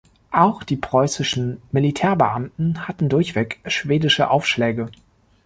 Auch die preußischen Militärbeamten hatten durchweg schwedische Aufschläge.